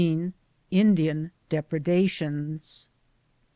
INDIAN DEPREDATIONS.